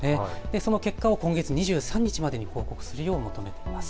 その結果を今月２３日までに報告するよう求めています。